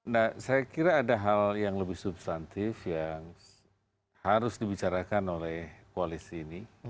nah saya kira ada hal yang lebih substantif yang harus dibicarakan oleh koalisi ini